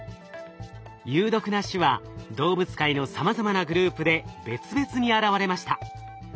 有毒な種は動物界のさまざまなグループで別々に現れました。